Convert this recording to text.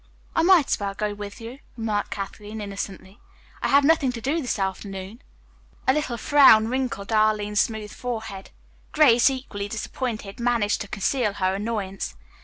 "I might as well go with you," remarked Kathleen innocently. "I have nothing to do this afternoon." A little frown wrinkled Arline's smooth forehead. Grace, equally disappointed, managed to conceal her annoyance.